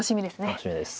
楽しみです。